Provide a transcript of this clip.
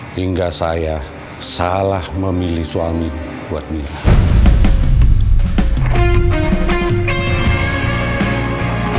sehingga saya salah memilih suami untuk mirah